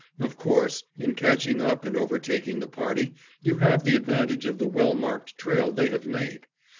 Of course, in catching up and overtaking the party, you have the advantage of the well marked trail they have made.